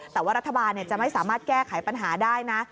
แต่ว่ารัฐบาลจะไม่สามารถแก้ไขปัญหาได้นะ